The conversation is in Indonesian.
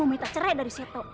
saya mau minta cerai dari seto